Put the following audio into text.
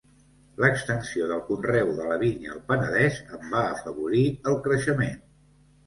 L'extensió del conreu de la vinya al Penedès en va afavorir el creixement.